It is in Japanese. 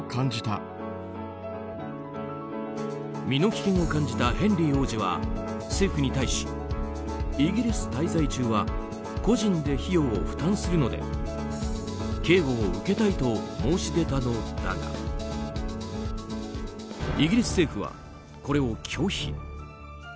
身の危険を感じたヘンリー王子は、政府に対しイギリス滞在中は個人で費用を負担するので警護を受けたいと申し出たのだがイギリス政府は、これを拒否。